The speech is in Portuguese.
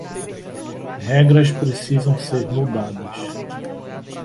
Regras precisam ser mudadas.